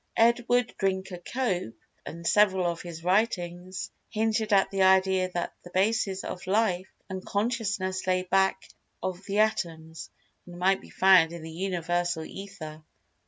Edward Drinker Cope, in several of his writ[Pg 196]ings, hinted at the idea that the basis of Life and Consciousness lay back of the Atoms, and might be found in the Universal Ether.